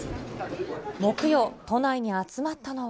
木曜、都内に集まったのは。